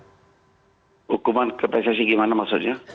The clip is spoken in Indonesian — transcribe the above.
hukuman ke pssi gimana maksudnya